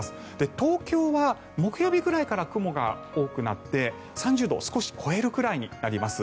東京は木曜日くらいから雲が多くなって３０度を少し超えるぐらいになります。